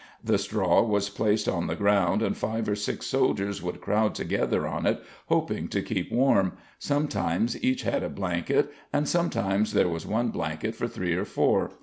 The straw was placed on the ground and five or six soldiers would crowd together on it hoping to keep warm, sometimes each had a blanket and sometimes there was one blanket for three or four.